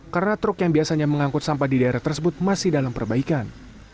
karena truk yang biasanya mengangkut sampah di daerah tersebut masih dalam perbaikan